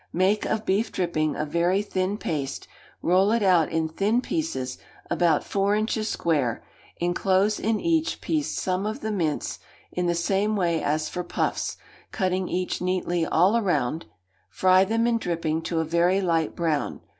Make of beef dripping a very thin paste, roll it out in thin pieces, about four inches square; enclose in each piece some of the mince, in the same way as for puffs, cutting each neatly all round; fry them in dripping to a very light brown.